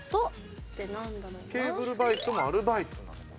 ケーブルバイトもアルバイトなのかな？